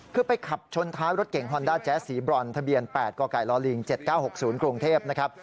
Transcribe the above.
คือไปขับชนท้ายรถเก่งฮอนด้าแจ๊สสีบรอนทะเบียน๘กกลลิง๗๙๖๐กรุงเทพนะครับ